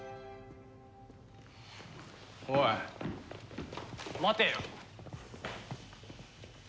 おい待てよ！